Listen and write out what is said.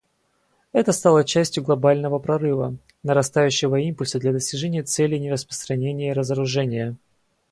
Это стало частью глобального прорыва: нарастающего импульса для достижения целей нераспространения и разоружения.